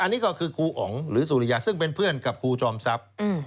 อันนี้ก็คือครูอ๋องหรือสุริยาซึ่งเป็นเพื่อนกับครูจอมทรัพย์